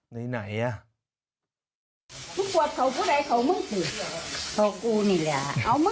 ในนี้ไหนอ่ะ